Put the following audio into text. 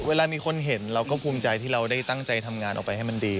เวลามีคนเห็นเราก็ภูมิใจที่เราได้ตั้งใจทำงานออกไปให้มันดี